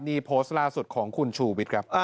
นี่โพสต์ล่าสุดของคุณชูวิทย์ครับ